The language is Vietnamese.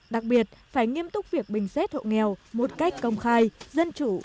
đặc biệt phải nghiêm túc việc bình xét hộ nghèo một cách công khai dân chủ